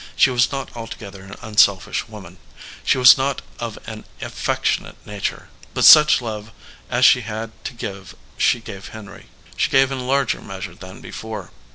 She was not altogether an unselfish woman ; she was not of an affectionate nature, but such love as she had to give she gave Henry. She gave in larger meas ure than before.